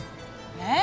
えっ！？